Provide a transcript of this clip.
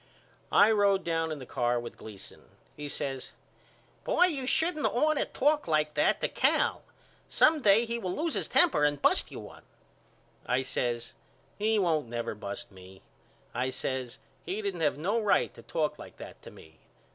I road down in the car with Gleason. He says Boy you shouldn't ought to talk like that to Cal. Some day he will lose his temper and bust you one. I says He won't never bust me. I says He didn't have no right to talk like that to me.